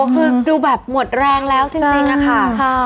คือดูแบบหมดแรงแล้วจริงจริงอะค่ะค่ะ